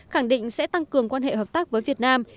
khẳng định sẽ tăng cường quan hệ hợp tác với việt nam